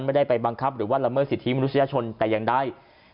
ไม่ได้ไปบังคับหรือว่าละเมิดสิทธิมนุษยชนแต่อย่างใด